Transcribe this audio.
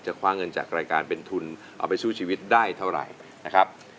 คว้าเงินจากรายการเป็นทุนเอาไปสู้ชีวิตได้เท่าไหร่นะครับ